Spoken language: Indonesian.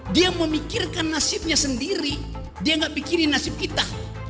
dia memikirkan nasibnya sendiri dia tidak memikirkan nasib kita